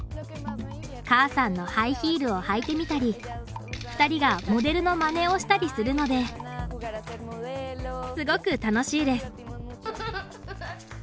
母さんのハイヒールを履いてみたり２人がモデルのまねをしたりするのですごく楽しいです。